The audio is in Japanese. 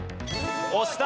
押した！